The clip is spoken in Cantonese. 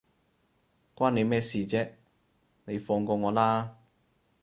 關你咩事啫，你放過我啦